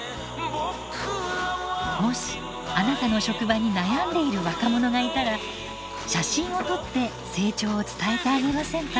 もしあなたの職場に悩んでいる若者がいたら写真を撮って成長を伝えてあげませんか？